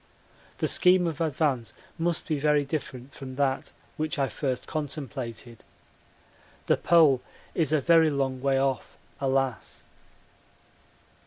The scheme of advance must be very different from that which I first contemplated. The Pole is a very long way off, alas!